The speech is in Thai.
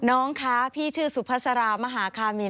น้องคะพี่ชื่อสุภาษารามหาคามิน